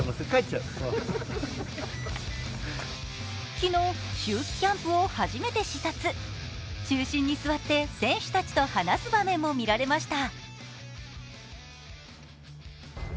昨日、秋季キャンプを初めて視察中心に座って選手たちと話す場面も見られました。